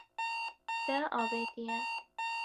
Te avêtiye.